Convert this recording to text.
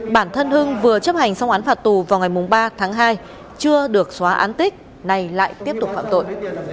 bản thân hưng vừa chấp hành xong án phạt tù vào ngày ba tháng hai chưa được xóa án tích nay lại tiếp tục phạm tội